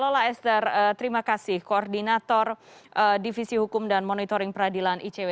lola esdar terima kasih koordinator divisi hukum dan monitoring peradilan icw